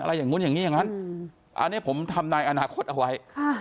อย่างนู้นอย่างนี้อย่างนั้นอันนี้ผมทำนายอนาคตเอาไว้